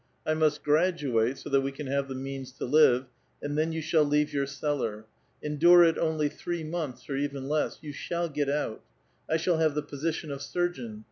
I must graduate, so that we can have the means to live, and then 30U shall leave your cellar. Endure it only three months, or even less ; you siiall get out. I shall have the position of surgeon.